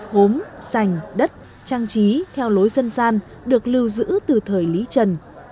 hốm sành đất trang trí theo lối dân gian được lưu giữ từ thời lý trần